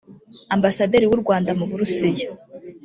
Ambasaderi w’u Rwanda mu Burusiya